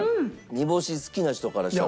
煮干し好きな人からしたら。